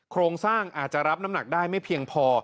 โครงสร้างอาจจะรับน้ำหนักได้ไม่เพียงพอ